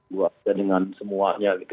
buat dengan semuanya gitu